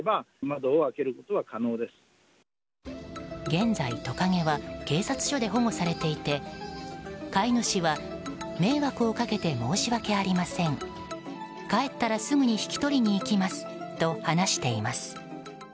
現在、トカゲは警察署で保護されていて飼い主は迷惑をかけて申し訳ありません帰ったらすぐに引き取りに行きますと話しています。